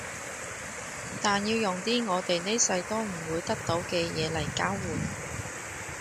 但要用啲我哋呢世都唔會得到嘅嘢嚟交換